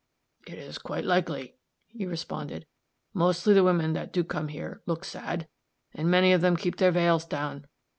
"It's quite likely," he responded; "mostly the women that do come here look sad, and many of them keep their vails down.